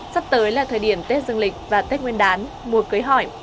sắp tới là thời điểm tết dương lịch và tết nguyên đán mùa cưới hỏi